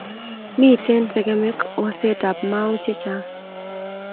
Miten sekemik oset ab mau che chang